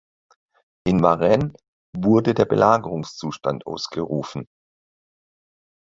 In Varennes wurde der Belagerungszustand ausgerufen.